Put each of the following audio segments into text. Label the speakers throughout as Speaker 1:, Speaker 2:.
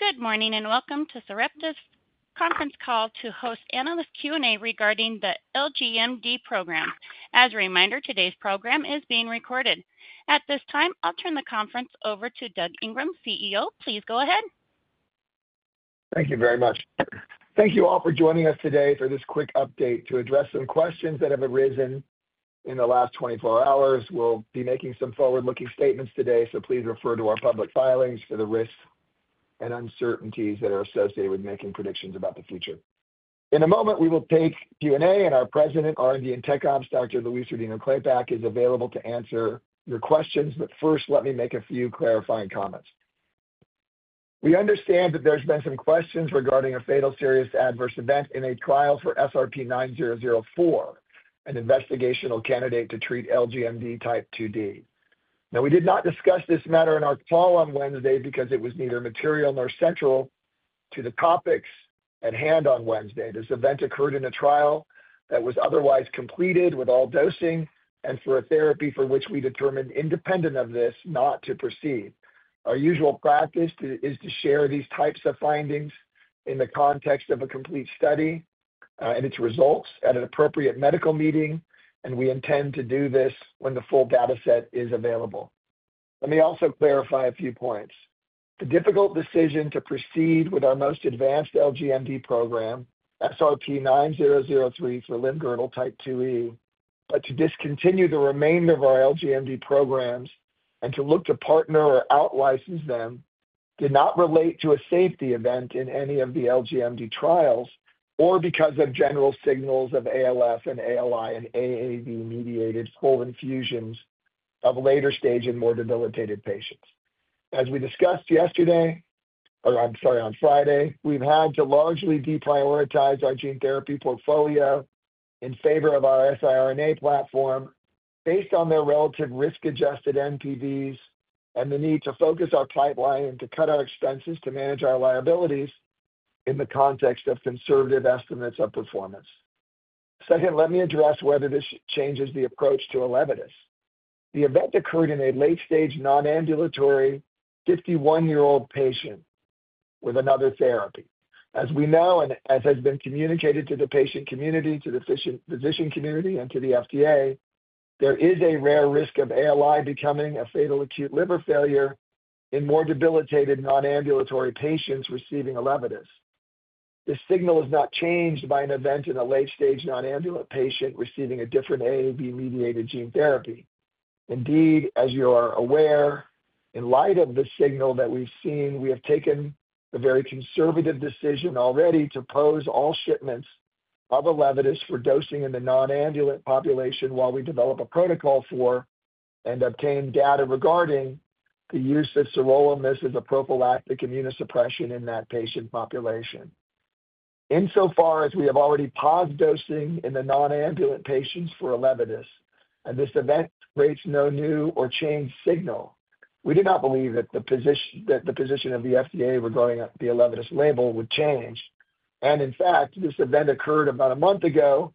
Speaker 1: Good morning and welcome to Sarepta's conference call to host analyst Q&A regarding the LGMD program. As a reminder, today's program is being recorded. At this time, I'll turn the conference over to Doug Ingram, CEO. Please go ahead.
Speaker 2: Thank you very much. Thank you all for joining us today for this quick update to address some questions that have arisen in the last 24 hours. We'll be making some forward-looking statements today, so please refer to our public filings for the risks and uncertainties that are associated with making predictions about the future. In a moment, we will take Q&A, and our President, R&D and Technical Operations, Dr. Louise Rodino-Klapac, is available to answer your questions. First, let me make a few clarifying comments. We understand that there's been some questions regarding a fatal serious adverse event in a trial for SRP-9004, an investigational candidate to treat LGMD type 2D. We did not discuss this matter in our call on Wednesday because it was neither material nor central to the topics at hand on Wednesday. This event occurred in a trial that was otherwise completed with all dosing and for a therapy for which we determined, independent of this, not to proceed. Our usual practice is to share these types of findings in the context of a complete study and its results at an appropriate medical meeting, and we intend to do this when the full data set is available. Let me also clarify a few points. The difficult decision to proceed with our most advanced LGMD program, SRP-9003 for limb-girdle type 2E, but to discontinue the remainder of our LGMD programs and to look to partner or out-license them did not relate to a safety event in any of the LGMD trials or because of general signals of ALF and ALI and AAV-mediated full infusions of a later stage in more debilitated patients. As we discussed on Friday, we've had to largely deprioritize our gene therapy portfolio in favor of our siRNA platform based on their relative risk-adjusted NPVs and the need to focus our pipeline and to cut our expenses to manage our liabilities in the context of conservative estimates of performance. Second, let me address whether this changes the approach to Elevidys. The event occurred in a late-stage nonambulatory 51-year-old patient with another therapy. As we know, and as has been communicated to the patient community, to the physician community, and to the FDA, there is a rare risk of ALI becoming a fatal acute liver failure in more debilitated nonambulatory patients receiving Elevidys. This signal is not changed by an event in a late-stage nonambulant patient receiving a different AAV-mediated gene therapy. Indeed, as you are aware, in light of the signal that we've seen, we have taken a very conservative decision already to pause all shipments of Elevidys for dosing in the nonambulant population while we develop a protocol for and obtain data regarding the use of sirolimus as a prophylactic immunosuppression in that patient population. Insofar as we have already paused dosing in the nonambulant patients for Elevidys, and this event creates no new or changed signal, we do not believe that the position of the FDA regarding the Elevidys label would change. In fact, this event occurred about a month ago.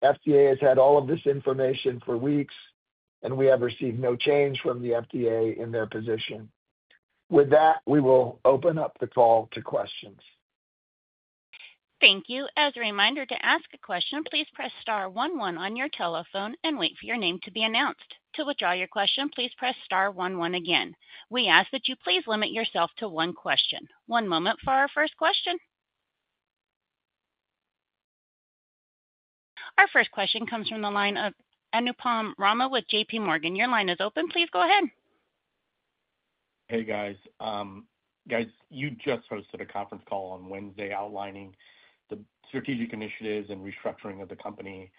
Speaker 2: The FDA has had all of this information for weeks, and we have received no change from the FDA in their position. With that, we will open up the call to questions.
Speaker 1: Thank you. As a reminder, to ask a question, please press star 11 on your telephone and wait for your name to be announced. To withdraw your question, please press star 11 again. We ask that you please limit yourself to one question. One moment for our first question. Our first question comes from the line of Anupam Rama with JPMorgan. Your line is open. Please go ahead.
Speaker 3: Hey, guys. You just hosted a conference call on Wednesday outlining the strategic initiatives and restructuring of the company.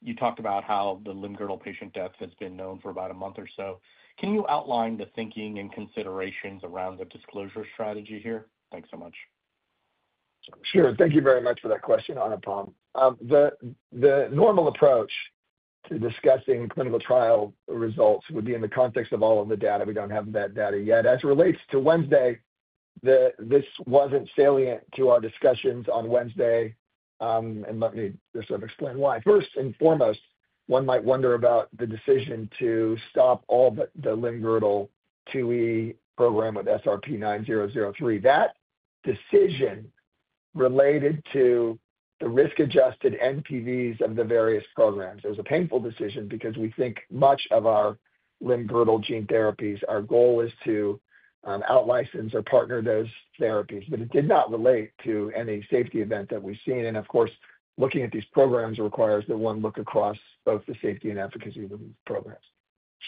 Speaker 3: You talked about how the limb-girdle patient death has been known for about a month or so. Can you outline the thinking and considerations around the disclosure strategy here? Thanks so much.
Speaker 2: Sure. Thank you very much for that question, Anupam. The normal approach to discussing clinical trial results would be in the context of all of the data. We don't have that data yet. As it relates to Wednesday, this wasn't salient to our discussions on Wednesday. Let me just explain why. First and foremost, one might wonder about the decision to stop all but the limb-girdle 2E program with SRP-9003. That decision related to the risk-adjusted NPVs of the various programs is a painful decision because we think much of our limb-girdle gene therapies, our goal is to out-license or partner those therapies, but it did not relate to any safety event that we've seen. Of course, looking at these programs requires that one look across both the safety and efficacy of the programs.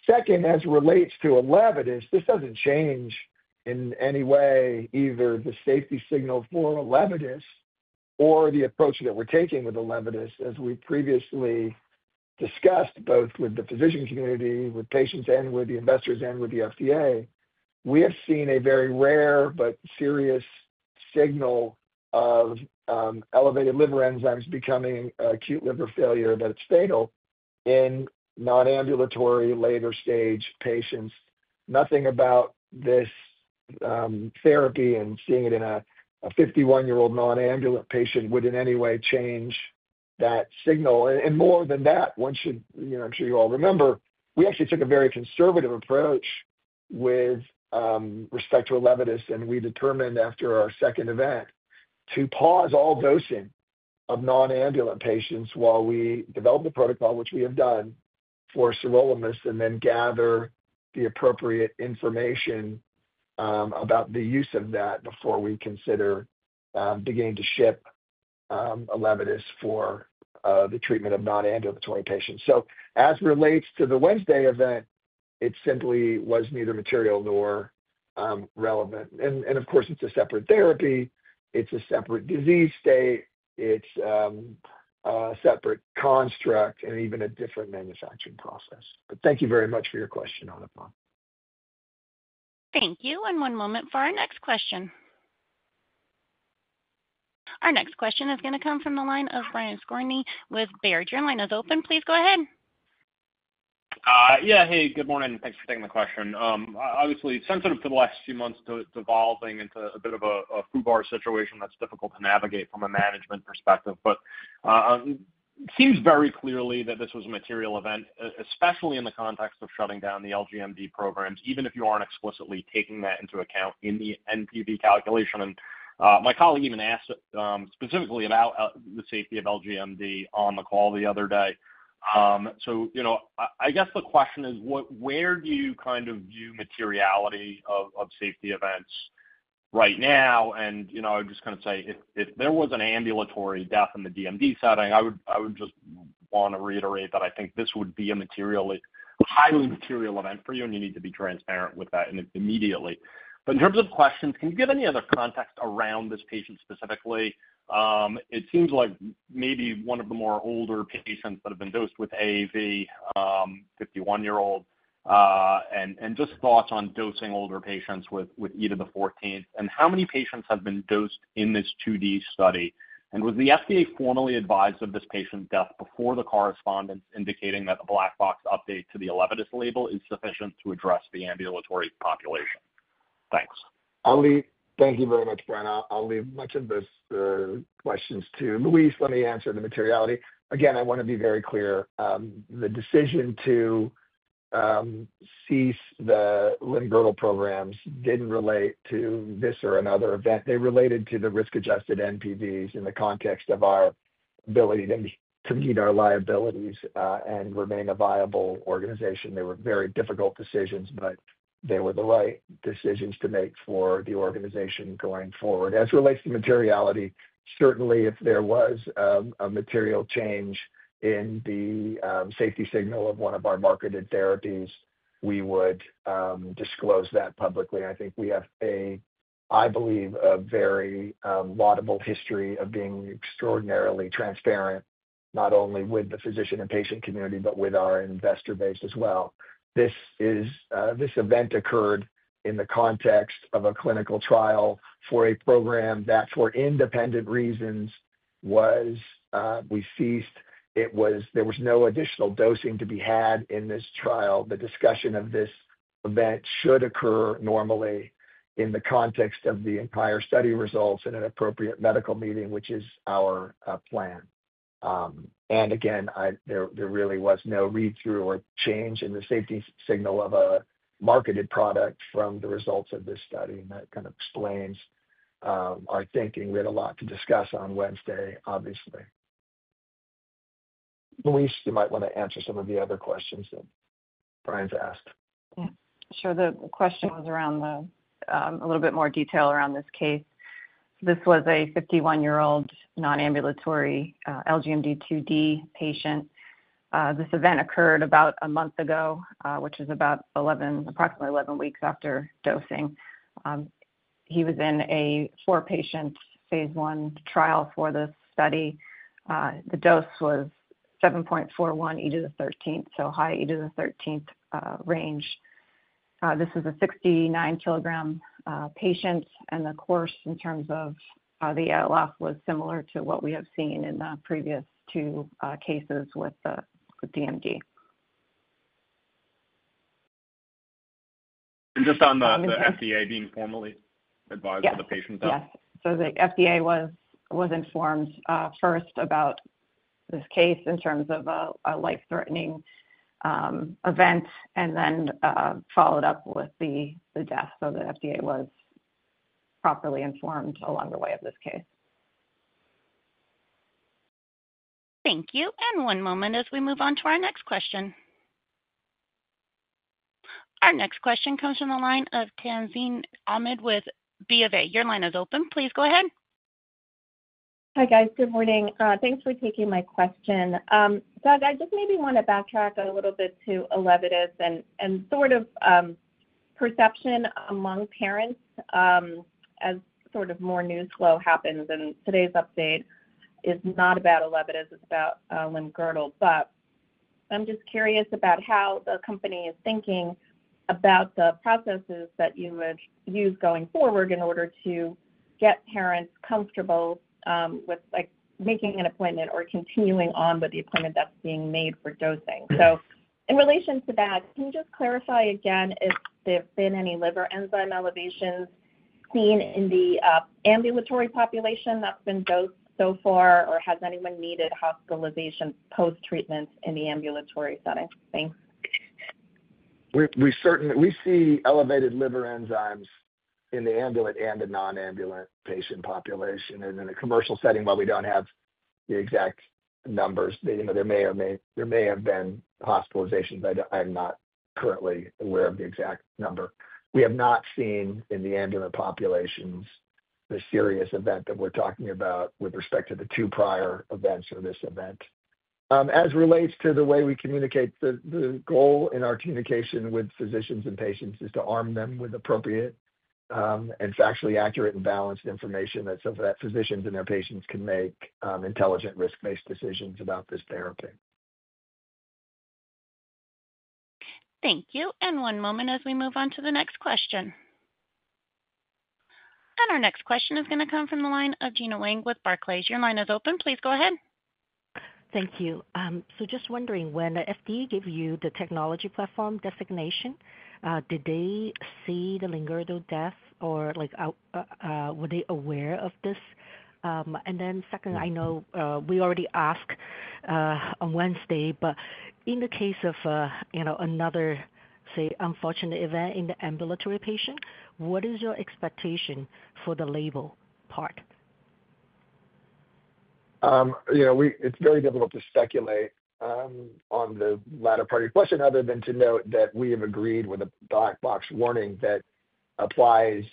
Speaker 2: Second, as it relates to Elevidys, this doesn't change in any way either the safety signal for Elevidys or the approach that we're taking with Elevidys. As we previously discussed, both with the physician community, with patients, with the investors, and with the FDA, we have seen a very rare but serious signal of elevated liver enzymes becoming acute liver failure, that it's fatal in nonambulatory later-stage patients. Nothing about this therapy and seeing it in a 51-year-old nonambulatory patient would in any way change that signal. More than that, I'm sure you all remember, we actually took a very conservative approach with respect to Elevidys, and we determined after our second event to pause all dosing of nonambulatory patients while we developed the protocol, which we have done for sirolimus, and then gather the appropriate information about the use of that before we consider beginning to ship Elevidys for the treatment of nonambulatory patients. As it relates to the Wednesday event, it simply was neither material nor relevant. Of course, it's a separate therapy. It's a separate disease state. It's a separate construct and even a different manufacturing process. Thank you very much for your question, Anupam.
Speaker 1: Thank you. One moment for our next question. Our next question is going to come from the line of Brian Skorney with Baird. Your line is open. Please go ahead.
Speaker 4: Yeah. Hey, good morning. Thanks for taking the question. Obviously, sensitive to the last few months devolving into a bit of a hubbub situation that's difficult to navigate from a management perspective. It seems very clearly that this was a material event, especially in the context of shutting down the LGMD programs, even if you aren't explicitly taking that into account in the NPV calculation. My colleague even asked specifically about the safety of LGMD on the call the other day. I guess the question is, where do you kind of view materiality of safety events right now? I would just kind of say if there was an ambulatory death in the DMD setting, I would just want to reiterate that I think this would be a highly material event for you, and you need to be transparent with that immediately. In terms of questions, can you give any other context around this patient specifically? It seems like maybe one of the more older patients that have been dosed with AAV, a 51-year-old. Just thoughts on dosing older patients with Elevidys. How many patients have been dosed in this 2D study? Was the FDA formally advised of this patient's death before the correspondence indicating that a black box update to the Elevidys label is sufficient to address the ambulatory population? Thanks.
Speaker 2: Thank you very much, Brent. I'll leave much of those questions to Louise. Let me answer the materiality. Again, I want to be very clear. The decision to cease the limb-girdle programs didn't relate to this or another event. They related to the risk-adjusted NPV in the context of our ability to meet our liabilities and remain a viable organization. They were very difficult decisions, but they were the right decisions to make for the organization going forward. As it relates to materiality, certainly, if there was a material change in the safety signal of one of our marketed therapies, we would disclose that publicly. I think we have a, I believe, a very laudable history of being extraordinarily transparent, not only with the physician and patient community, but with our investor base as well. This event occurred in the context of a clinical trial for a program that, for independent reasons, was ceased. There was no additional dosing to be had in this trial. The discussion of this event should occur normally in the context of the entire study results in an appropriate medical meeting, which is our plan. There really was no read-through or change in the safety signal of a marketed product from the results of this study. That kind of explains our thinking. We had a lot to discuss on Wednesday, obviously. Louise, you might want to answer some of the other questions that Brian's asked.
Speaker 5: Yeah. Sure. The question was around a little bit more detail around this case. This was a 51-year-old nonambulatory LGMD 2D patient. This event occurred about a month ago, which is approximately 11 weeks after dosing. He was in a four-patient phase I trial for the study. The dose was 7.41E13, so high E13 range. This was a 69-kilogram patient. The course in terms of the ALF was similar to what we have seen in the previous two cases with the DMD.
Speaker 4: Just on the FDA being formally advised of the patient's death.
Speaker 5: Yes. The FDA was informed first about this case in terms of a life-threatening event and then followed up with the death. The FDA was properly informed along the way of this case.
Speaker 1: Thank you. One moment as we move on to our next question. Our next question comes from the line of Tazeen Ahmad with Bank of America. Your line is open. Please go ahead.
Speaker 6: Hi, guys. Good morning. Thanks for taking my question. Doug, I just maybe want to backtrack a little bit to Elevidys and sort of perception among parents as more news flow happens. Today's update is not about Elevidys. It's about limb-girdle. I'm just curious about how the company is thinking about the processes that you would use going forward in order to get parents comfortable with making an appointment or continuing on with the appointment that's being made for dosing. In relation to that, can you just clarify again if there have been any liver enzyme elevations seen in the ambulatory population that's been dosed so far, or has anyone needed hospitalization post-treatment in the ambulatory setting? Thanks.
Speaker 2: We certainly see elevated liver enzymes in the ambulant and the nonambulant patient population. In a commercial setting, while we don't have the exact numbers, you know there may have been hospitalizations. I have not currently lived the exact number. We have not seen in the ambulant populations the serious event that we're talking about with respect to the two prior events or this event. As it relates to the way we communicate, the goal in our communication with physicians and patients is to arm them with appropriate and factually accurate and balanced information so that physicians and their patients can make intelligent risk-based decisions about this therapy.
Speaker 1: Thank you. One moment as we move on to the next question. Our next question is going to come from the line of Gena Wang with Barclays. Your line is open. Please go ahead.
Speaker 7: Thank you. Just wondering, when the FDA gave you the technology platform designation, did they see the limb-girdle death, or were they aware of this? I know we already asked on Wednesday, but in the case of, you know, another, say, unfortunate event in the ambulatory patient, what is your expectation for the label part?
Speaker 2: You know.It's very difficult to speculate on the latter part of your question other than to note that we have agreed with a black box warning that applies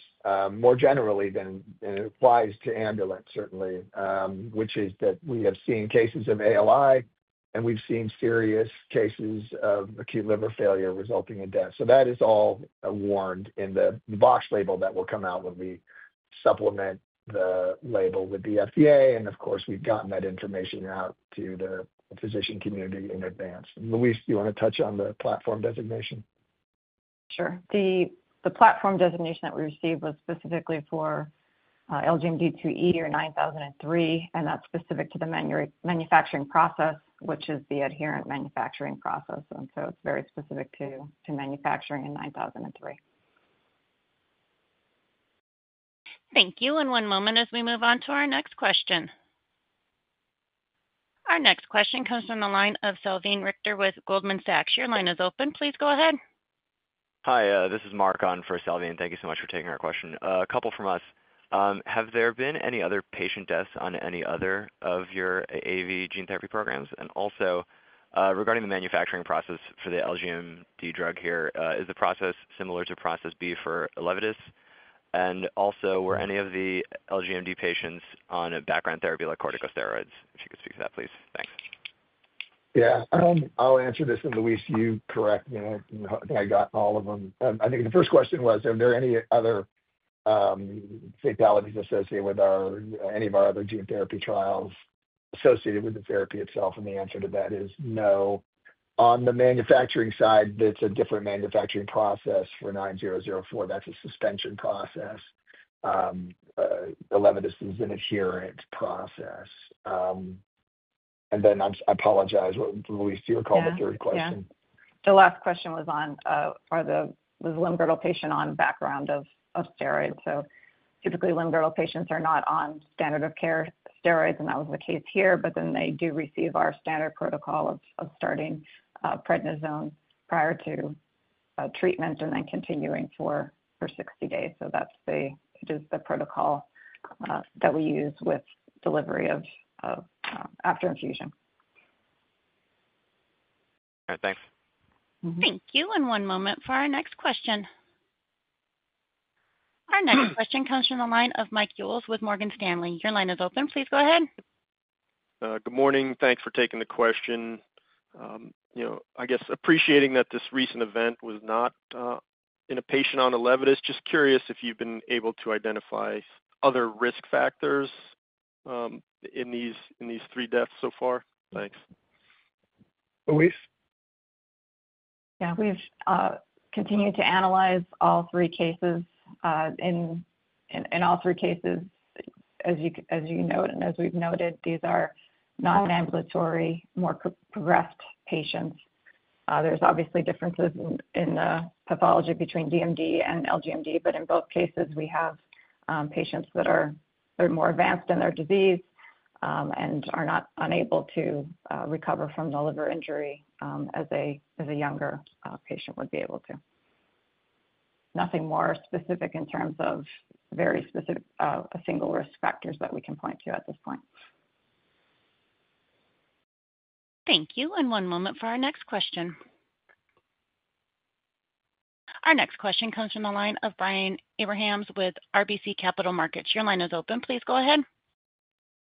Speaker 2: more generally than it applies to ambulant, certainly, which is that we have seen cases of ALI, and we've seen serious cases of acute liver failure resulting in death. That is all warned in the box label that will come out when we supplement the label with the FDA. Of course, we've gotten that information out to the physician community in advance. Louise, do you want to touch on the platform designation?
Speaker 5: Sure. The platform designation that we received was specifically for LGMD 2E or SRP-9003, and that's specific to the manufacturing process, which is the adherent manufacturing process. It's very specific to manufacturing in SRP-9003.
Speaker 1: Thank you. One moment as we move on to our next question. Our next question comes from the line of Salveen Richter with Goldman Sachs. Your line is open. Please go ahead.
Speaker 8: Hi. This is Mark on for Salveen. Thank you so much for taking our question. A couple from us. Have there been any other patient deaths on any other of your AAV gene therapy programs? Also, regarding the manufacturing process for the LGMD drug here, is the process similar to process B for Elevidys? Also, were any of the LGMD patients on a background therapy like corticosteroids? If you could speak to that, please. Thanks.
Speaker 2: Yeah. I'll answer this one, Louise. You correct me. I think I got all of them. I think the first question was, are there any other fatalities associated with any of our other gene therapy trials associated with the therapy itself? The answer to that is no. On the manufacturing side, that's a different manufacturing process for SRP-9004. That's a suspension process. Elevidys is an adherent process. I apologize. Louise, do you recall the third question?
Speaker 5: Yeah. The last question was on, was the limb-girdle patient on a background of steroids? Typically, limb-girdle patients are not on standard-of-care steroids, and that was the case here. They do receive our standard protocol of starting prednisone prior to treatment and then continuing for 60 days. That's the protocol that we use with delivery of after infusion.
Speaker 8: All right, thanks.
Speaker 1: Thank you. One moment for our next question. Our next question comes from the line of Michael Goelz with Morgan Stanley. Your line is open. Please go ahead.
Speaker 9: Good morning. Thanks for taking the question. I guess appreciating that this recent event was not in a patient on Elevidys, just curious if you've been able to identify other risk factors in these three deaths so far. Thanks.
Speaker 5: Yeah. We've continued to analyze all three cases. In all three cases, as you know, and as we've noted, these are nonambulatory, more progressed patients. There's obviously differences in the pathology between DMD and LGMD, but in both cases, we have patients that are more advanced in their disease and are not able to recover from the liver injury as a younger patient would be able to. Nothing more specific in terms of very specific single risk factors that we can point to at this point.
Speaker 1: Thank you. One moment for our next question. Our next question comes from the line of Brian Abrahams with RBC Capital Markets. Your line is open. Please go ahead.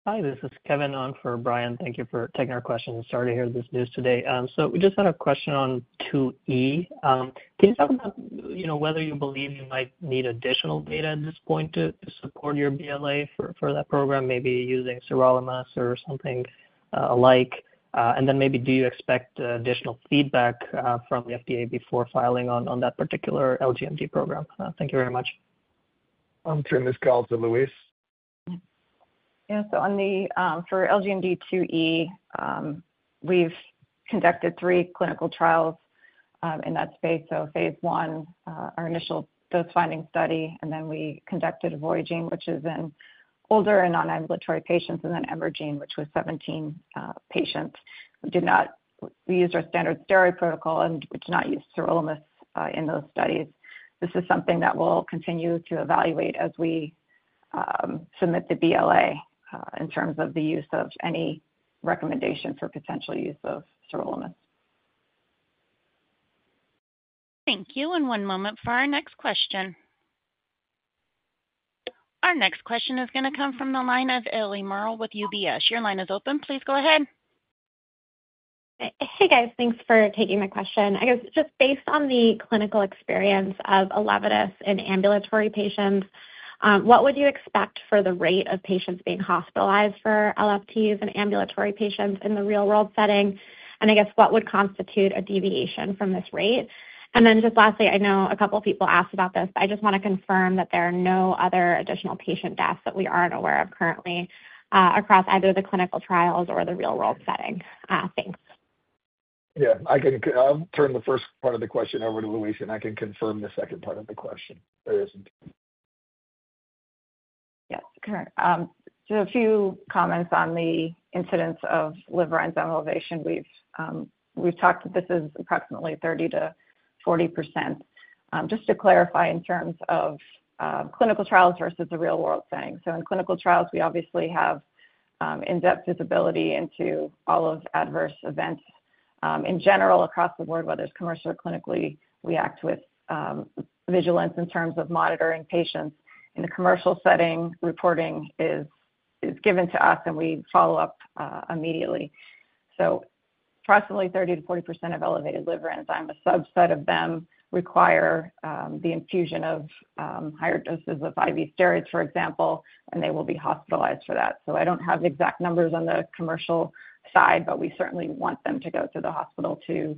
Speaker 10: Hi. This is Kevin Quan for Brian. Thank you for taking our questions. Sorry to hear this news today. We just had a question on 2E. Can you talk about whether you believe you might need additional data at this point to support your BLA for that program, maybe using sirolimus or something alike? Do you expect additional feedback from the FDA before filing on that particular LGMD program? Thank you very much.
Speaker 2: I'll turn this call to Louise.
Speaker 5: Yeah. For LGMD 2E, we've conducted three clinical trials in that space. Phase 1, our initial dose-finding study, and then we conducted Voyaging, which is in older and nonambulatory patients, and then Embragine, which was a 17-patient. We did not use our standard steroid protocol, and we did not use sirolimus in those studies. This is something that we'll continue to evaluate as we submit the BLA in terms of the use of any recommendation for potential use of sirolimus.
Speaker 1: Thank you. One moment for our next question. Our next question is going to come from the line of Ellie Merle with UBS. Your line is open. Please go ahead.
Speaker 11: Hey, guys. Thanks for taking my question. I guess just based on the clinical experience of Elevidys in ambulatory patients, what would you expect for the rate of patients being hospitalized for LFTs in ambulatory patients in the real-world setting? What would constitute a deviation from this rate? Lastly, I know a couple of people asked about this, but I just want to confirm that there are no other additional patient deaths that we aren't aware of currently across either the clinical trials or the real-world setting. Thanks.
Speaker 2: Yeah, I can turn the first part of the question over to Louise, and I can confirm the second part of the question.
Speaker 5: Yes. A few comments on the incidence of liver enzyme elevation. We've talked that this is approximately 30% to 40%. Just to clarify in terms of clinical trials versus the real-world thing. In clinical trials, we obviously have in-depth visibility into all of adverse events in general across the board, whether it's commercial or clinically. We act with vigilance in terms of monitoring patients. In the commercial setting, reporting is given to us, and we follow up immediately. Approximately 30% to 40% of elevated liver enzymes, a subset of them require the infusion of higher doses of IV steroids, for example, and they will be hospitalized for that. I don't have exact numbers on the commercial side, but we certainly want them to go to the hospital to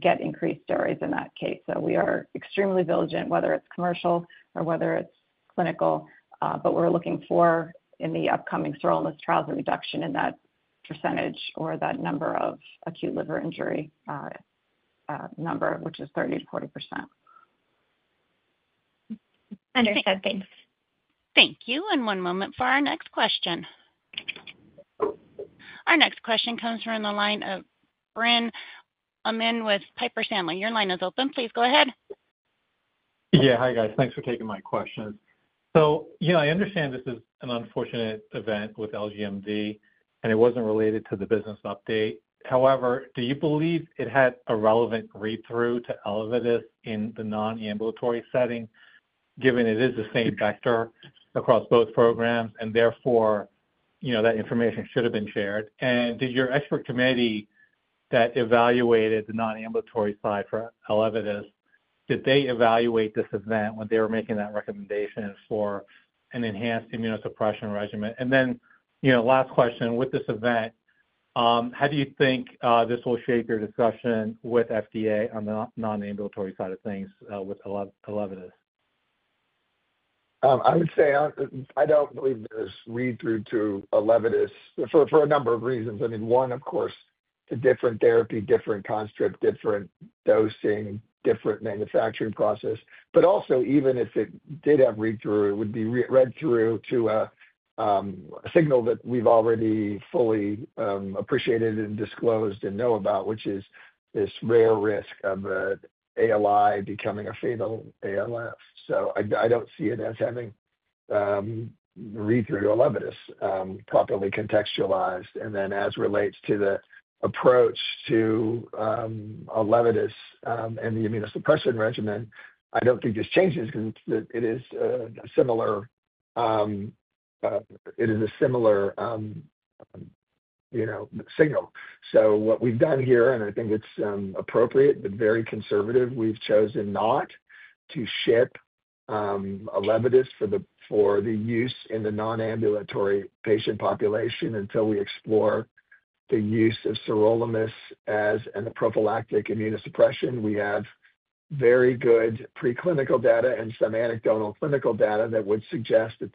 Speaker 5: get increased steroids in that case. We are extremely diligent, whether it's commercial or whether it's clinical, but we're looking for, in the upcoming sirolimus trials, a reduction in that percentage or that number of acute liver injury number, which is 30% to 40%.
Speaker 11: Understood. Thanks.
Speaker 1: Thank you. One moment for our next question. Our next question comes from the line of Biren Amin with Piper Sandler. Your line is open. Please go ahead.
Speaker 12: Yeah. Hi, guys. Thanks for taking my question. I understand this is an unfortunate event with LGMD, and it wasn't related to the business update. However, do you believe it had a relevant read-through to Elevidys in the nonambulatory setting, given it is the same vector across both programs? Therefore, you know that information should have been shared. Did your expert committee that evaluated the nonambulatory side for Elevidys, did they evaluate this event when they were making that recommendation for an enhanced immunosuppression regimen? Last question, with this event, how do you think this will shape your discussion with FDA on the nonambulatory side of things with Elevidys?
Speaker 2: I would say I don't believe there's read-through to Elevidys for a number of reasons. One, of course, a different therapy, different construct, different dosing, different manufacturing process. Also, even if it did have read-through, it would be read through to a signal that we've already fully appreciated and disclosed and know about, which is this rare risk of ALI becoming a fatal ALF. I don't see it as having read-through to Elevidys properly contextualized. As it relates to the approach to Elevidys and the immunosuppression regimen, I don't think this changes because it is a similar signal. What we've done here, and I think it's appropriate but very conservative, we've chosen not to ship Elevidys for the use in the nonambulatory patient population until we explore the use of sirolimus as a prophylactic immunosuppression. We have very good preclinical data and some anecdotal clinical data that would suggest that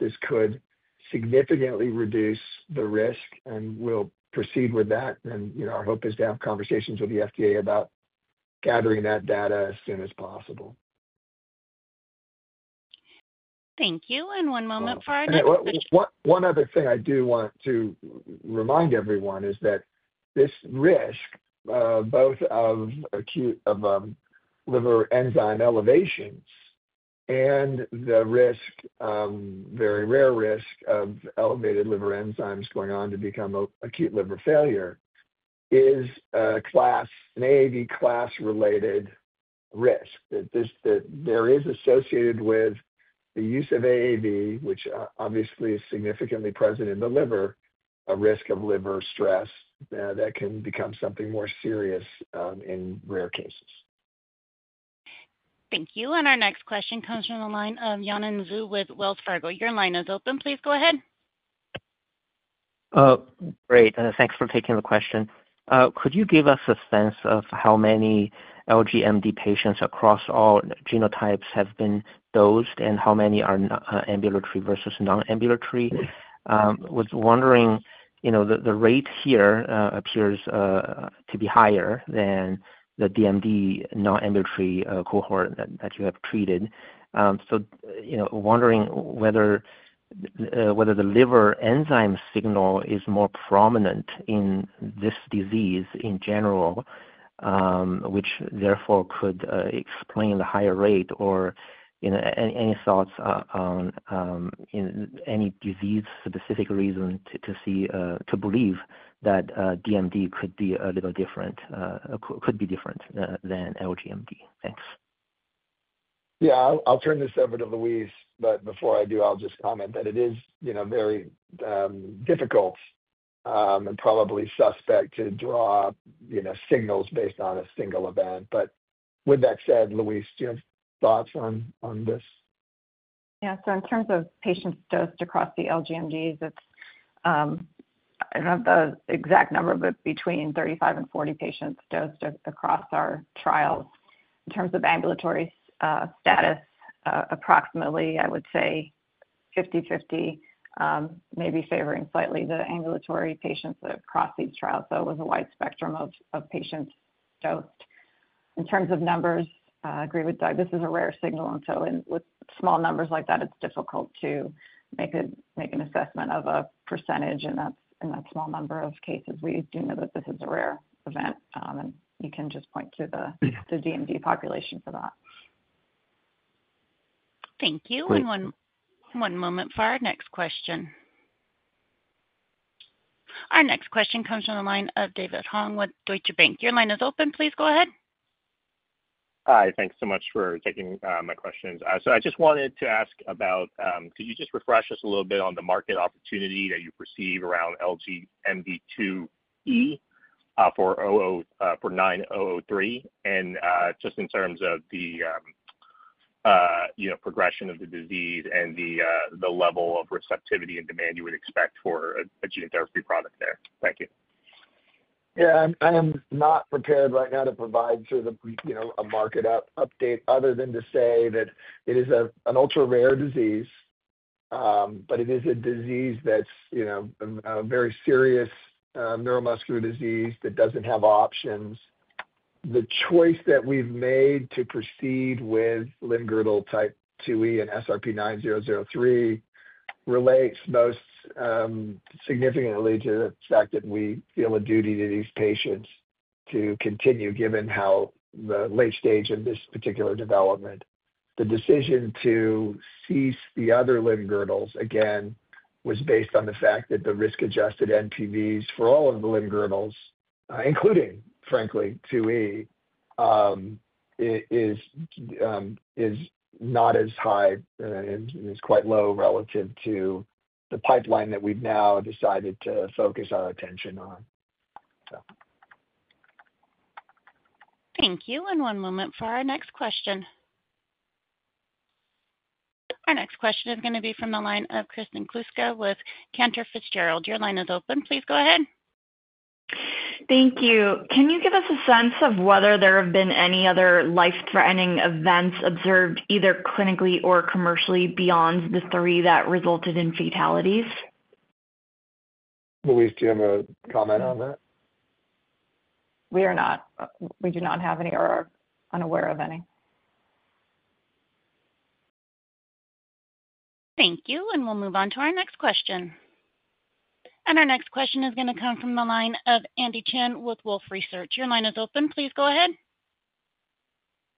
Speaker 2: this could significantly reduce the risk, and we'll proceed with that. Our hope is to have conversations with the FDA about gathering that data as soon as possible.
Speaker 1: Thank you. One moment for our next question.
Speaker 2: One other thing I do want to remind everyone is that this risk, both of acute liver enzyme elevations and the risk, very rare risk of elevated liver enzymes going on to become acute liver failure, is an AAV class-related risk that is associated with the use of AAV, which obviously is significantly present in the liver, a risk of liver stress that can become something more serious in rare cases.
Speaker 1: Thank you. Our next question comes from the line of Yanan Zhu with Wells Fargo. Your line is open. Please go ahead.
Speaker 13: Great. Thanks for taking the question. Could you give us a sense of how many LGMD patients across all genotypes have been dosed and how many are ambulatory versus nonambulatory? I was wondering, you know, the rate here appears to be higher than the DMD nonambulatory cohort that you have treated. You know, wondering whether the liver enzyme signal is more prominent in this disease in general, which therefore could explain the higher rate, or any thoughts on any disease-specific reason to believe that DMD could be a little different, could be different than LGMD. Thanks.
Speaker 2: Yeah. I'll turn this over to Louise. Before I do, I'll just comment that it is very difficult and probably suspect to draw signals based on a single event. With that said, Louise, do you have thoughts on this?
Speaker 5: Yeah. In terms of patients dosed across the LGMDs, I don't have the exact number, but between 35 and 40 patients dosed across our trials. In terms of ambulatory status, approximately, I would say 50/50, maybe favoring slightly the ambulatory patients across these trials. It was a wide spectrum of patients dosed. In terms of numbers, I agree with Doug. This is a rare signal. With small numbers like that, it's difficult to make an assessment of a % in that small number of cases. We do know that this is a rare event, and you can just point to the DMD population for that.
Speaker 1: Thank you. One moment for our next question. Our next question comes from the line of David Hoang with Deutsche Bank. Your line is open. Please go ahead.
Speaker 14: Hi. Thanks so much for taking my questions. I just wanted to ask about, could you just refresh us a little bit on the market opportunity that you perceive around LGMD 2E for SRP-9003? In terms of the progression of the disease and the level of receptivity and demand you would expect for a gene therapy product there. Thank you.
Speaker 2: I am not prepared right now to provide sort of a market update other than to say that it is an ultra-rare disease, but it is a disease that's a very serious neuromuscular disease that doesn't have options. The choice that we've made to proceed with limb-girdle type 2E and SRP-9003 relates most significantly to the fact that we feel a duty to these patients to continue, given how late stage in this particular development. The decision to cease the other limb-girdles, again, was based on the fact that the risk-adjusted NPVs for all of the limb-girdles, including, frankly, 2E, is not as high and is quite low relative to the pipeline that we've now decided to focus our attention on.
Speaker 1: Thank you. One moment for our next question. Our next question is going to be from the line of Kristen Kluska with Cantor Fitzgerald. Your line is open. Please go ahead.
Speaker 15: Thank you. Can you give us a sense of whether there have been any other life-threatening events observed either clinically or commercially beyond the three that resulted in fatalities?
Speaker 2: Louise, do you have a comment on that?
Speaker 5: We are not. We do not have any or are unaware of any.
Speaker 1: Thank you. We'll move on to our next question. Our next question is going to come from the line of Andy Chan with Wolfe Research. Your line is open. Please go ahead.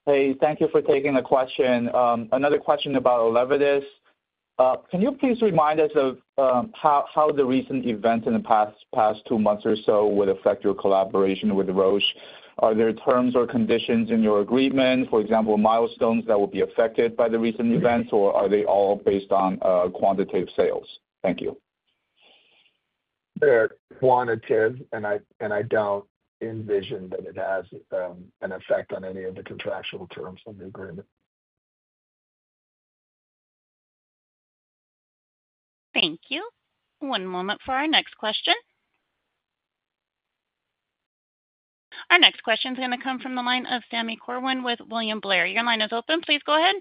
Speaker 16: Hey, thank you for taking the question. Another question about Elevidys. Can you please remind us of how the recent event in the past two months or so would affect your collaboration with Roche? Are there terms or conditions in your agreement, for example, milestones that would be affected by the recent events, or are they all based on quantitative sales? Thank you.
Speaker 2: They're quantitative, and I don't envision that it has an effect on any of the contractual terms of the agreement.
Speaker 1: Thank you. One moment for our next question. Our next question is going to come from the line of Sami Corwin with William Blair. Your line is open. Please go ahead.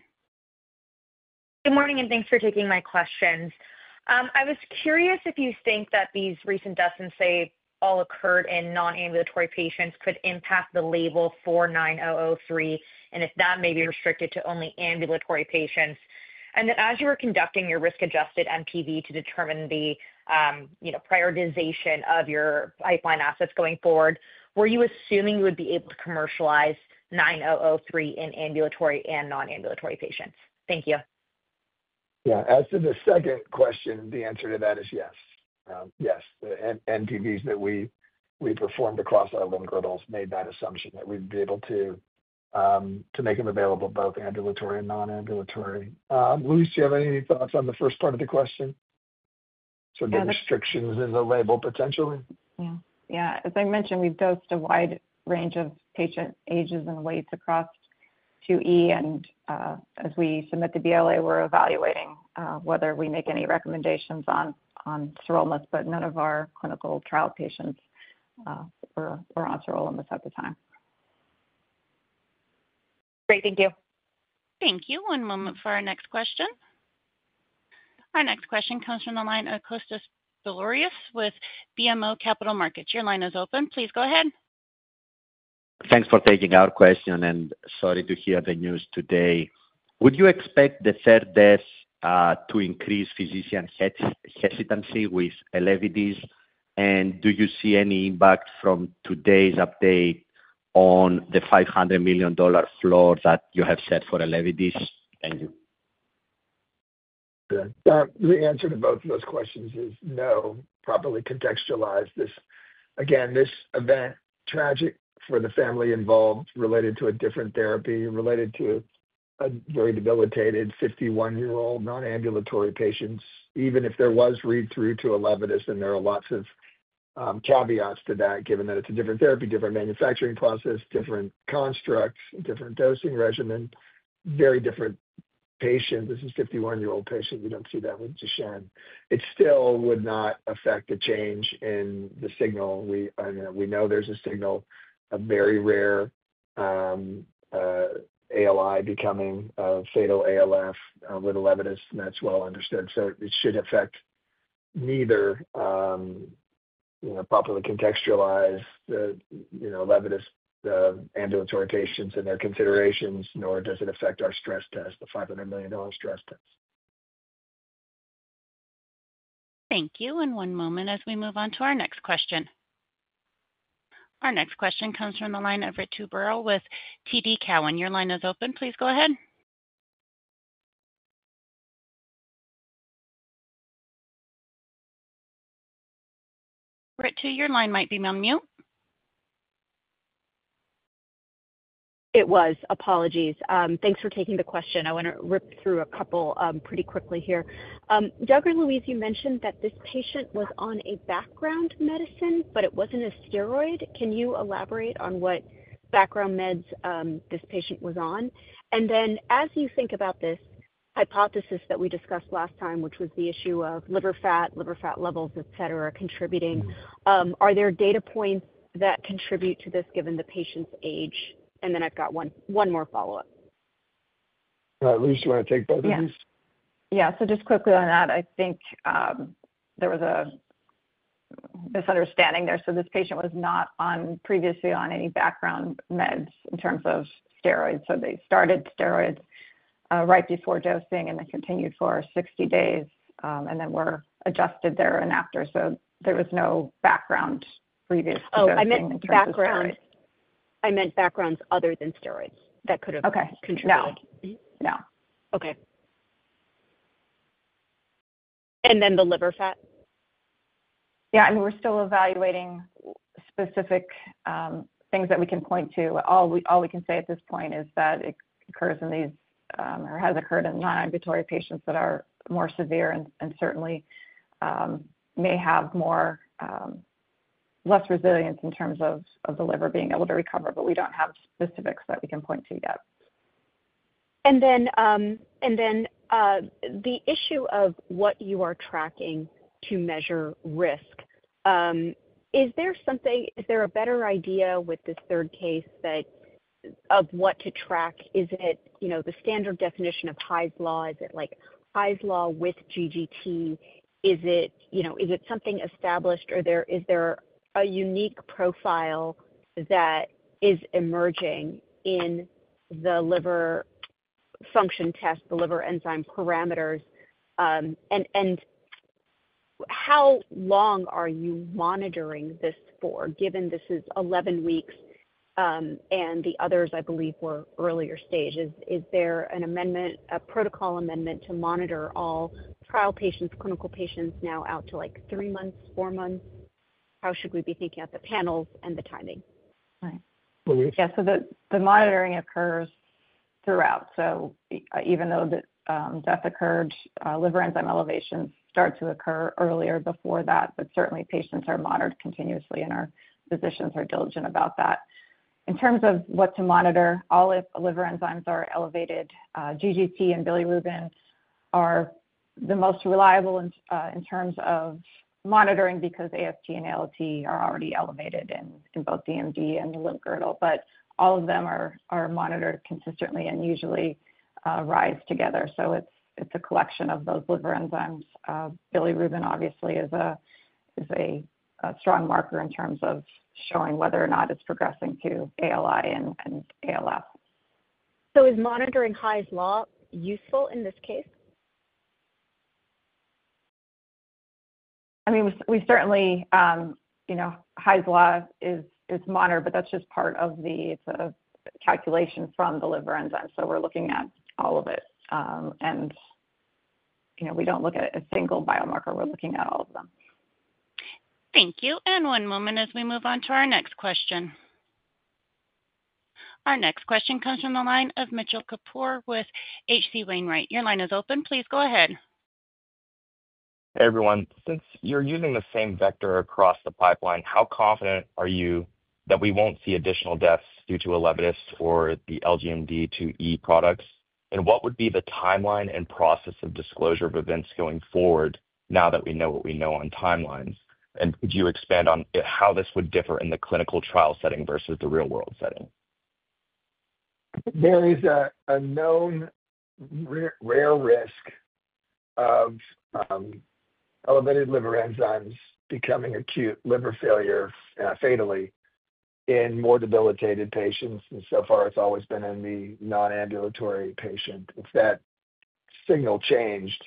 Speaker 17: Good morning, and thanks for taking my questions. I was curious if you think that these recent deaths, all occurred in nonambulatory patients, could impact the label for SRP-9003 and if that may be restricted to only ambulatory patients. As you were conducting your risk-adjusted NPV to determine the prioritization of your pipeline assets going forward, were you assuming you would be able to commercialize SRP-9003 in ambulatory and nonambulatory patients? Thank you.
Speaker 2: Yeah. As to the second question, the answer to that is yes. Yes. The NPV that we performed across our limb-girdles made that assumption that we'd be able to make them available both ambulatory and nonambulatory. Louise, do you have any thoughts on the first part of the question? The restrictions in the label potentially?
Speaker 5: Yeah. As I mentioned, we've dosed a wide range of patient ages and weights across 2E. As we submit the BLA, we're evaluating whether we make any recommendations on sirolimus, but none of our clinical trial patients were on sirolimus at the time.
Speaker 17: Great. Thank you.
Speaker 1: Thank you. One moment for our next question. Our next question comes from the line of Kostas Biliouris with BMO Capital Markets. Your line is open. Please go ahead.
Speaker 18: Thanks for taking our question, and sorry to hear the news today. Would you expect the third death to increase physician hesitancy with Elevidys? Do you see any impact from today's update on the $500 million floor that you have set for Elevidys? Thank you.
Speaker 2: The answer to both of those questions is no. Properly contextualize this. Again, this event, tragic for the family involved, related to a different therapy, related to a very debilitated 51-year-old nonambulatory patient. Even if there was read-through to Elevidys, and there are lots of caveats to that, given that it's a different therapy, different manufacturing process, different constructs, different dosing regimen, very different patient. This is a 51-year-old patient. You don't see that with Duchenne. It still would not affect the change in the signal. We know there's a signal of very rare ALI becoming a fatal ALF with Elevidys, and that's well understood. It should affect neither properly contextualize the Elevidys ambulatory patients and their considerations, nor does it affect our stress test, the $500 million stress test.
Speaker 1: Thank you. One moment as we move on to our next question. Our next question comes from the line of Ritu Baral with TD Cowen. Your line is open. Please go ahead. Ritu, your line might be on mute.
Speaker 19: Apologies. Thanks for taking the question. I want to rip through a couple pretty quickly here. Doug or Louise, you mentioned that this patient was on a background medicine, but it wasn't a steroid. Can you elaborate on what background meds this patient was on? As you think about this hypothesis that we discussed last time, which was the issue of liver fat, liver fat levels, etc., contributing, are there data points that contribute to this given the patient's age? I've got one more follow-up.
Speaker 2: Louise, you want to take both of these?
Speaker 5: Yeah. Just quickly on that, I think there was a misunderstanding there. This patient was not previously on any background meds in terms of steroids. They started steroids right before dosing, continued for 60 days, and then were adjusted thereafter. There was no background previous dosing.
Speaker 19: Oh, I meant background other than steroids that could have contributed.
Speaker 5: No. No.
Speaker 19: Okay. The liver fat?
Speaker 5: Yeah. I mean, we're still evaluating specific things that we can point to. All we can say at this point is that it occurs in these or has occurred in nonambulatory patients that are more severe and certainly may have less resilience in terms of the liver being able to recover. We don't have specifics that we can point to yet.
Speaker 19: The issue of what you are tracking to measure risk, is there something, is there a better idea with this third case of what to track? Is it the standard definition of Hy's law? Is it like Hy's law with GGT? Is it something established, or is there a unique profile that is emerging in the liver function test, the liver enzyme parameters? How long are you monitoring this for, given this is 11 weeks and the others, I believe, were earlier stages? Is there a protocol amendment to monitor all trial patients, clinical patients now out to three months, four months? How should we be thinking at the panels and the timing?
Speaker 5: Yeah. The monitoring occurs throughout. Even though the death occurred, liver enzyme elevations start to occur earlier before that. Certainly, patients are monitored continuously, and our physicians are diligent about that. In terms of what to monitor, all liver enzymes are elevated. GGT and bilirubin are the most reliable in terms of monitoring because AST and ALT are already elevated in both DMD and the limb-girdle. All of them are monitored consistently and usually rise together. It is a collection of those liver enzymes. Bilirubin, obviously, is a strong marker in terms of showing whether or not it's progressing to ALI and ALF.
Speaker 19: Is monitoring HIS law useful in this case?
Speaker 5: I mean, we certainly, you know, ALT is monitored, but that's just part of the calculation from the liver enzymes. We're looking at all of it. You know, we don't look at a single biomarker. We're looking at all of them.
Speaker 1: Thank you. One moment as we move on to our next question. Our next question comes from the line of Mitchell Kapoor with H.C. Wainwright. Your line is open. Please go ahead.
Speaker 20: Hey, everyone. Since you're using the same vector across the pipeline, how confident are you that we won't see additional deaths due to Elevidys or the LGMD 2E products? What would be the timeline and process of disclosure of events going forward now that we know what we know on timelines? Could you expand on how this would differ in the clinical trial setting versus the real-world setting?
Speaker 2: There is a known real risk of elevated liver enzymes becoming acute liver failure fatally in more debilitated patients. It's always been in the nonambulatory patient. If that signal changed,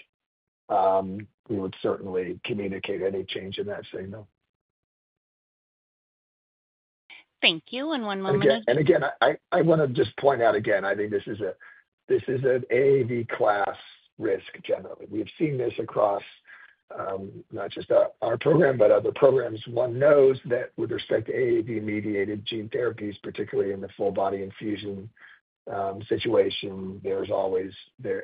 Speaker 2: we would certainly communicate any change in that signal.
Speaker 1: Thank you. One moment.
Speaker 2: I want to just point out again, I think this is an AAV class risk generally. We've seen this across not just our program, but other programs. One knows that with respect to AAV-mediated gene therapies, particularly in the full-body infusion situation, there is always a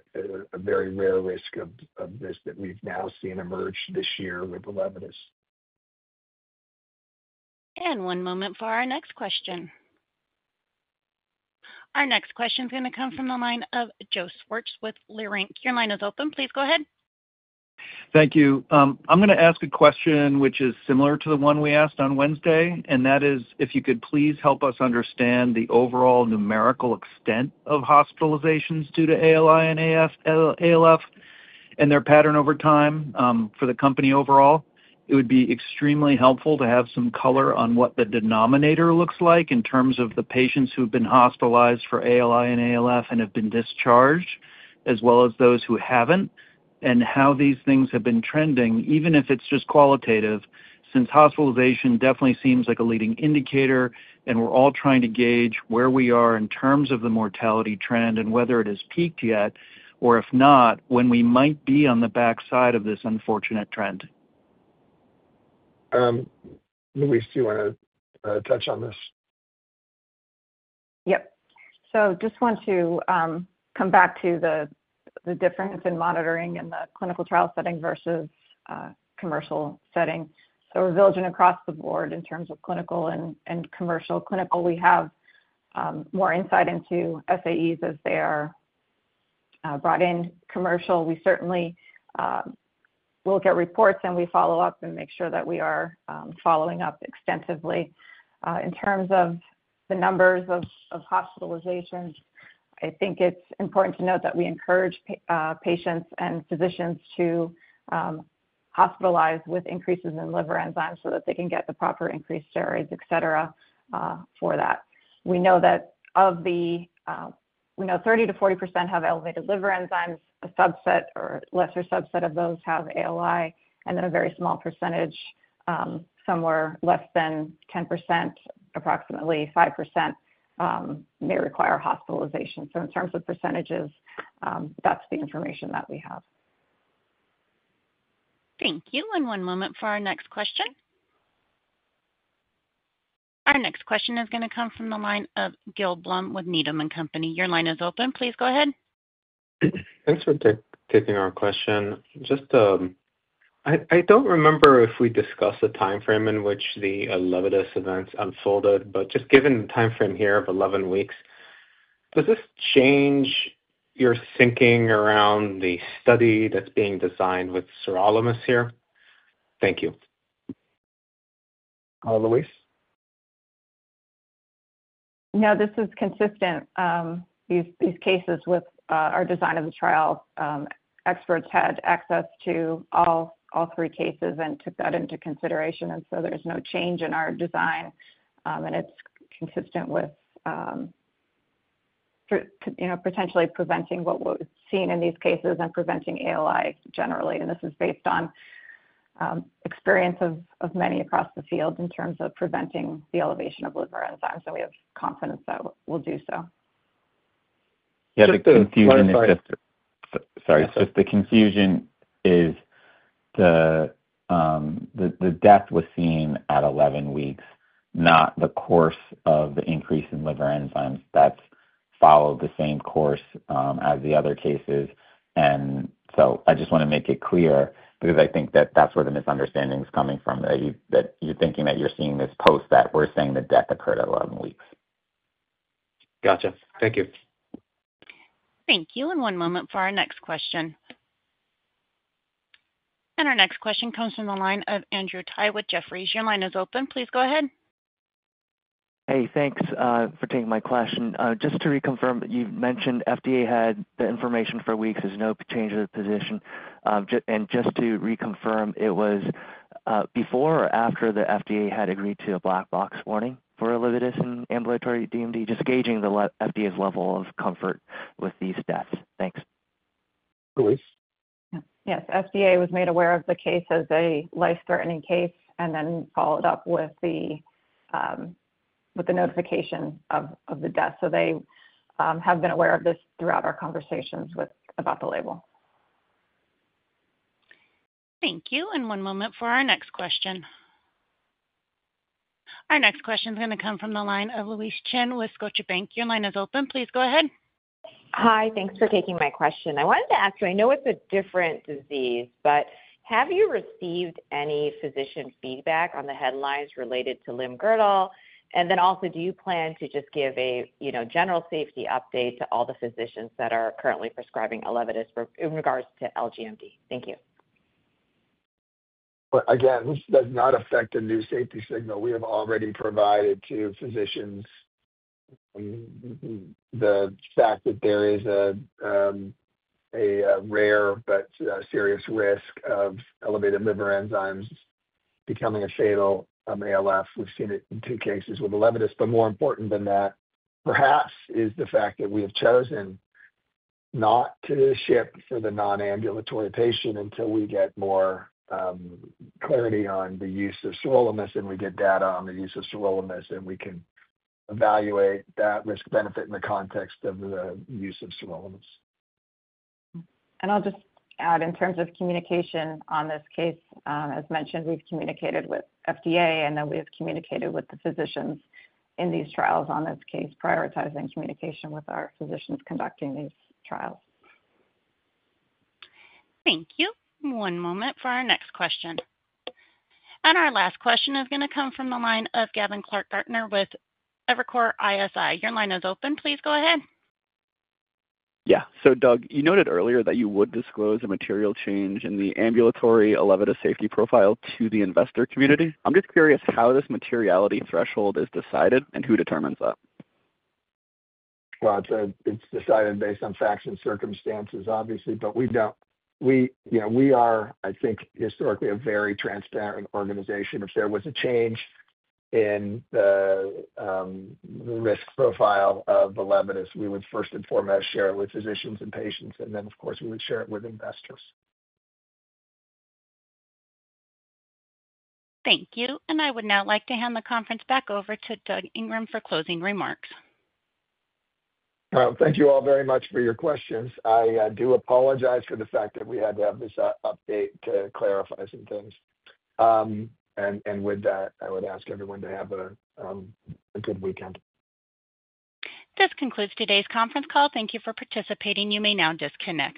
Speaker 2: very rare risk of this that we've now seen emerge this year with Elevidys.
Speaker 1: One moment for our next question. Our next question is going to come from the line of Joe Schwartz with Leerink Partners. Your line is open. Please go ahead.
Speaker 21: Thank you. I'm going to ask a question which is similar to the one we asked on Wednesday, and that is if you could please help us understand the overall numerical extent of hospitalizations due to ALI and ALF and their pattern over time for the company overall. It would be extremely helpful to have some color on what the denominator looks like in terms of the patients who have been hospitalized for ALI and ALF and have been discharged, as well as those who haven't, and how these things have been trending, even if it's just qualitative, since hospitalization definitely seems like a leading indicator. We're all trying to gauge where we are in terms of the mortality trend and whether it has peaked yet, or if not, when we might be on the backside of this unfortunate trend.
Speaker 2: Louise, do you want to touch on this?
Speaker 5: I just want to come back to the difference in monitoring in the clinical trial setting versus commercial setting. We're diligent across the board in terms of clinical and commercial. Clinical, we have more insight into SAEs as they are brought in. Commercial, we certainly will get reports, and we follow up and make sure that we are following up extensively. In terms of the numbers of hospitalizations, I think it's important to note that we encourage patients and physicians to hospitalize with increases in liver enzymes so that they can get the proper increased steroids, etc., for that. We know that of the, we know 30% to 40% have elevated liver enzymes, a subset or lesser subset of those have acute liver injury, and then a very small percentage, somewhere less than 10%, approximately 5% may require hospitalization. In terms of percentages, that's the information that we have.
Speaker 1: Thank you. One moment for our next question. Our next question is going to come from the line of Gil Blum with Needham & Company. Your line is open. Please go ahead.
Speaker 22: Thanks for taking our question. I don't remember if we discussed the timeframe in which the Elevidys events unfolded, but just given the timeframe here of 11 weeks, does this change your thinking around the study that's being designed with sirolimus? Thank you.
Speaker 5: Now, this is consistent. These cases with our design of the trial, experts had access to all three cases and took that into consideration. There is no change in our design, and it's consistent with potentially preventing what was seen in these cases and preventing ALI generally. This is based on experience of many across the field in terms of preventing the elevation of liver enzymes. We have confidence that we'll do so.
Speaker 2: Yeah, the confusion is just the confusion is the death was seen at 11 weeks, not the course of the increase in liver enzymes that's followed the same course as the other cases. I just want to make it clear because I think that's where the misunderstanding is coming from, that you're thinking that you're seeing this post that we're saying the death occurred at 11 weeks.
Speaker 22: Gotcha. Thank you.
Speaker 1: Thank you. One moment for our next question. Our next question comes from the line of Andrew Tsai with Jefferies. Your line is open. Please go ahead.
Speaker 23: Hey, thanks for taking my question. Just to reconfirm, you mentioned FDA had the information for weeks. There's no change of the position. Just to reconfirm, it was before or after the FDA had agreed to a black box warning for Elevidys and ambulatory DMD, just gauging the FDA's level of comfort with these deaths. Thanks.
Speaker 2: Yes.
Speaker 5: Yes. FDA was made aware of the case as a life-threatening case and then followed up with the notification of the death. They have been aware of this throughout our conversations about the label.
Speaker 1: Thank you. One moment for our next question. Our next question is going to come from the line of Louise Chen with Scotiabank. Your line is open. Please go ahead.
Speaker 24: Hi. Thanks for taking my question. I wanted to ask you, I know it's a different disease, but have you received any physician feedback on the headlines related to limb-girdle? Do you plan to just give a general safety update to all the physicians that are currently prescribing Elevidys in regards to LGMD? Thank you.
Speaker 2: Again, this does not affect the new safety signal. We have already provided to physicians the fact that there is a rare but serious risk of elevated liver enzymes becoming a fatal acute liver failure (ALF). We've seen it in two cases with Elevidys. More important than that, perhaps, is the fact that we have chosen not to ship for the nonambulatory patient until we get more clarity on the use of sirolimus and we get data on the use of sirolimus and we can evaluate that risk-benefit in the context of the use of sirolimus.
Speaker 5: In terms of communication on this case, as mentioned, we've communicated with FDA, and then we have communicated with the physicians in these trials on this case, prioritizing communication with our physicians conducting these trials.
Speaker 1: Thank you. One moment for our next question. Our last question is going to come from the line of Gavin Clark-Gartner with Evercore ISI. Your line is open. Please go ahead.
Speaker 25: Yeah. Doug, you noted earlier that you would disclose a material change in the ambulatory Elevidys safety profile to the investor community. I'm just curious how this materiality threshold is decided and who determines that.
Speaker 2: It is decided based on facts and circumstances, obviously. We are, I think, historically a very transparent organization. If there was a change in the risk profile of Elevidys, we would first and foremost share it with physicians and patients, and then, of course, we would share it with investors.
Speaker 1: Thank you. I would now like to hand the conference back over to Doug Ingram for closing remarks.
Speaker 2: Thank you all very much for your questions. I do apologize for the fact that we had to have this update to clarify some things. With that, I would ask everyone to have a good weekend.
Speaker 1: This concludes today's conference call. Thank you for participating. You may now disconnect.